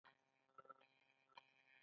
دوی وروسته په عباسي دربار کې وزیران شول